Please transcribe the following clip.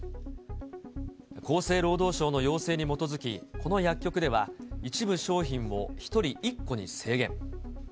厚生労働省の要請に基づき、この薬局では、一部商品を１人１個に制限。